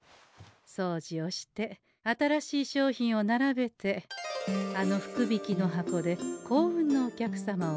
そうじをして新しい商品を並べてあの福引きの箱で幸運のお客様を選ぶ。